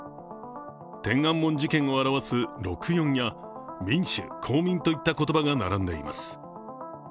天安門事件を表す六四や、民主、公民といった言葉が並んでいます。